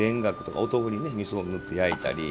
お豆腐にみそを塗って焼いたり。